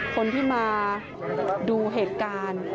คนที่มาดูเหตุการณ์